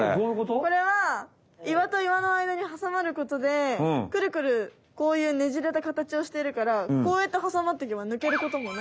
これは岩と岩のあいだにはさまることでクルクルこういうねじれたかたちをしているからこうやってはさまっていけばぬけることもないので。